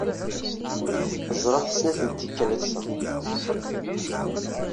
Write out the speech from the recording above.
Ẓriɣ-t snat n tikkal ass-a.